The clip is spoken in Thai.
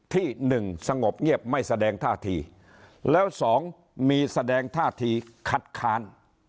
ที่หนึ่งสงบเงียบไม่แสดงท่าทีแล้วสองมีแสดงท่าทีคัดค้าน